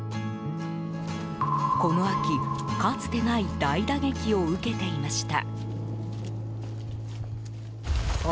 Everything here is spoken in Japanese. この秋、かつてない大打撃を受けていました。